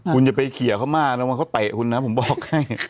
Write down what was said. คุณจะไปเขียงเขามากน่ะว่าเขาตะดของคุณนะผมบอกให้